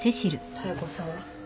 妙子さん。